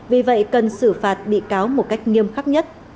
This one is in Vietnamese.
vì vậy cần xử phạt bị cáo một cách nghiêm khắc nhất